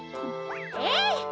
ええ！